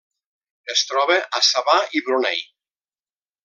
Es troba a Sabah i Brunei.